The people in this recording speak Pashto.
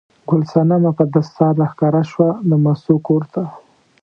ګل صنمه په دستار راښکاره شوه د مستو کور ته.